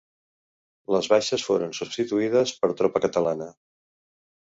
Les baixes foren substituïdes per tropa catalana.